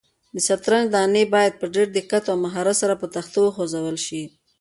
د شطرنج دانې باید په ډېر دقت او مهارت سره په تخته وخوځول شي.